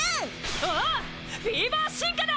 フィーバー進化だ！